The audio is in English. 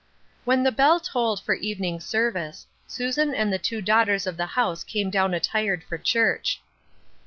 When the bell tolled for evening service, Susan and the two daughters of the house came down attired for church.